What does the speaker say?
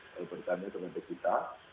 jadi kita harus menghitung